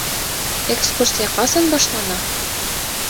Экскурсия ҡасан башлана?